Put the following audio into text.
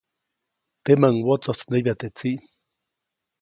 Temäʼuŋ wotsojtsnebya teʼ tsiʼ.